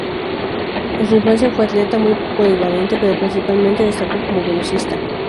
En su infancia fue atleta, muy polivalente, pero principalmente destacó como velocista.